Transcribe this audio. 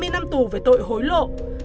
hai mươi năm tù về tội hối lộ